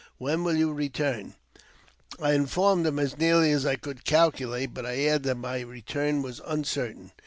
When will you return ?" I informed him as nearly as I could calculate, but I added I that my return was uncertain.